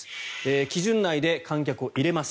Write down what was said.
基準内で観客を入れます。